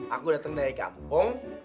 aku dateng dari kampung